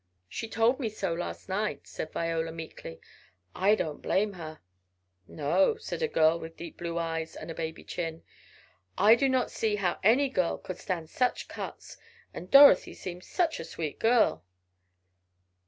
"She told me so last night," said Viola, meekly. "I don't blame her." "No," said a girl with deep blue eyes, and a baby chin, "I do not see how any girl could stand such cuts, and Dorothy seemed such a sweet girl."